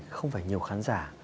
không phải nhiều khán giả